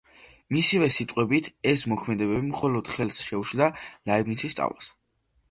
მისივე სიტყვებით, ეს მოქმედებები მხოლოდ ხელს შეუშლიდა ლაიბნიცის სწავლას.